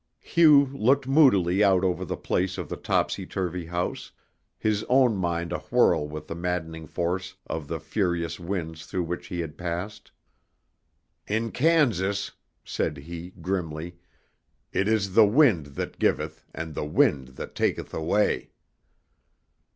Hugh looked moodily out over the place of the topsy turvy house, his own mind awhirl with the maddening force of the furious winds through which he had passed. "In Kansas," said he, grimly, "it is the wind that giveth and the wind that taketh away."